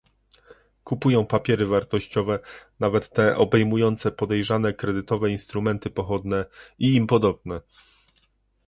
Kupują papiery wartościowe, nawet te obejmujące podejrzane kredytowe instrumenty pochodne i im podobne